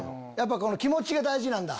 気持ちが大事なんだ。